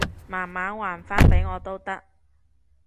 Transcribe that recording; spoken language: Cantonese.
慢慢還返畀我都得